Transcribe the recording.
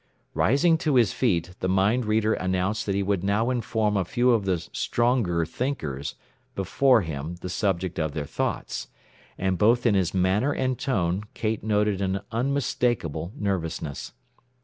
Rising to his feet, the mind reader announced that he would now inform a few of the "stronger thinkers" before him the subject of their thoughts; and both in his manner and tone Kate noted an unmistakable nervousness.